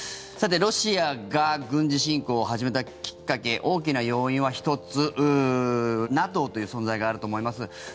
ロシアが軍事侵攻を始めたきっかけ大きな要因は１つＮＡＴＯという存在があると思います。